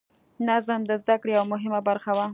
نظم د زده کړې یوه مهمه برخه وه.